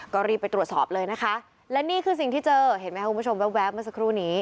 ก็รีบไปตรวจสอบเลยนะคะและนี่คือสิ่งที่เจอเห็นไหมครับคุณผู้ชมแว๊บเมื่อสักครู่นี้